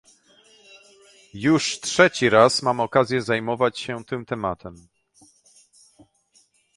Już trzeci raz mam okazję zajmować się tym tematem